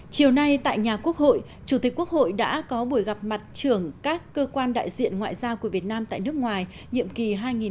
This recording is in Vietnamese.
chiều nay tại nhà quốc hội chủ tịch quốc hội đã có buổi gặp mặt trưởng các cơ quan đại diện ngoại giao của việt nam tại nước ngoài nhiệm kỳ hai nghìn một mươi tám hai nghìn hai mươi sáu